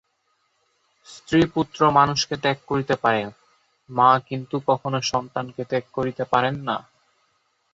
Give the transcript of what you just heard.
স্ত্রী-পুত্র মানুষকে ত্যাগ করিতে পারে, মা কিন্তু কখনও সন্তানকে ত্যাগ করিতে পারেন না।